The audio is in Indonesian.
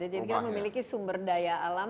kita memiliki sumber daya alam